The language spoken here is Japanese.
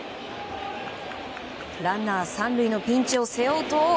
ランナー３塁のピンチを背負うと。